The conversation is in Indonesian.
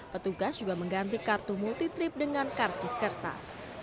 petugas juga mengganti kartu multitrip dengan kartis kertas